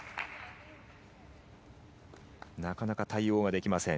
なかなか対応ができません。